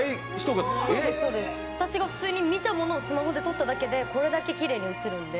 私が普通に見たものをスマホで撮っただけでこれだけきれいに写るんで。